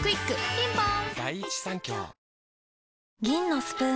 ピンポーン